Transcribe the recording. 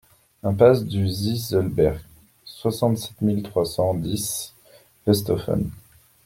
Impasse du Zieselsberg, soixante-sept mille trois cent dix Westhoffen